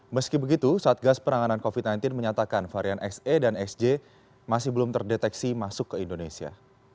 meski begitu satgas penanganan covid sembilan belas menyatakan varian xe dan xj masih belum terdeteksi masuk ke indonesia